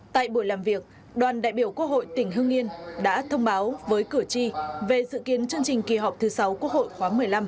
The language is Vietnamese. tại buổi làm việc đoàn đại biểu quốc hội tỉnh hưng yên đã thông báo với cử tri về dự kiến chương trình kỳ họp thứ sáu quốc hội khóa một mươi năm